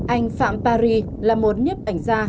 anh phạm paris là một nhiếp ảnh gia